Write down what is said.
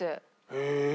へえ。